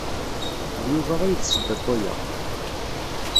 D Yuba ay d tasebba n waya.